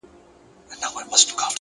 د ژوند ارزښت په ګټه رسولو کې دی،